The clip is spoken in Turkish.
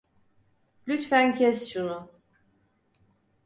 Lütfen kes şunu.